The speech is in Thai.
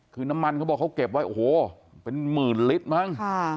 คือน้ำมันเขาบอกเขาเก็บไว้โอ้โหเป็นหมื่นลิตรมั้ง